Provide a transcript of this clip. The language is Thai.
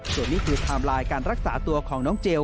ส่วนนี้คือไทม์ไลน์การรักษาตัวของน้องเจล